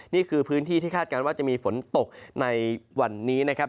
นี่คือพื้นที่ที่คาดการณ์ว่าจะมีฝนตกในวันนี้นะครับ